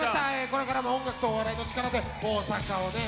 これからも音楽とお笑いの力で大阪をね